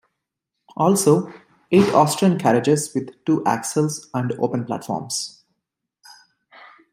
Also eight Austrian carriages with two axles and open platforms.